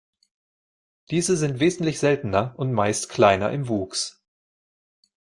Diese sind wesentlich seltener und meist kleiner im Wuchs.